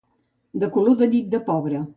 De color de llit de pobre